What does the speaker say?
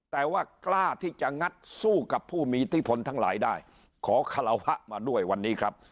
แต่ว่ากล้าที่จะงัดสู้กับผู้มีอิทธิพลทั้งหลายได้ขอคาราวะมาด้วยวันนี้ครับ